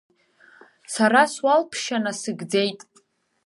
Сара суалԥшьа насыгӡеит.